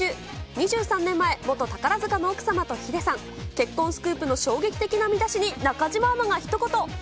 ２３年前、元宝塚の奥様とヒデさん、結婚スクープの衝撃的な見出しに中島アナがひと言。